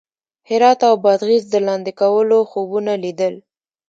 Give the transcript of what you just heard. هرات او بادغیس د لاندې کولو خوبونه لیدل.